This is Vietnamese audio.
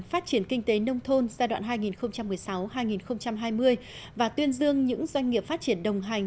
phát triển kinh tế nông thôn giai đoạn hai nghìn một mươi sáu hai nghìn hai mươi và tuyên dương những doanh nghiệp phát triển đồng hành